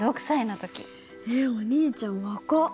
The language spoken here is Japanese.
えっお兄ちゃん若っ！